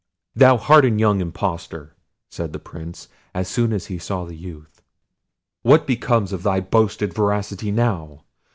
"Thou hardened young impostor!" said the Prince, as soon as he saw the youth; "what becomes of thy boasted veracity now?